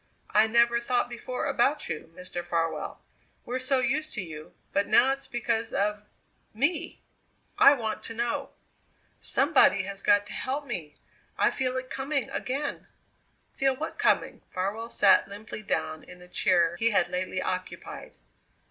I never thought before about you, Mr. Farwell, we're so used to you, but now it's because of me. I want to know. Somebody has got to help me I feel it coming again." "Feel what coming?" Farwell sat limply down in the chair he had lately occupied.